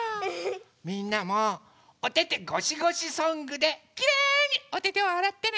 みんなもおててごしごしソングできれにおててをあらってね。